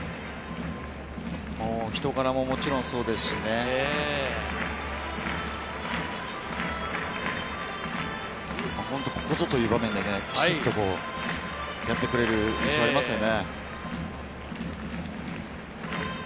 人柄も、もちろんそうですし、本当にここぞという場面でビシっとやってくれる印象がありますよね。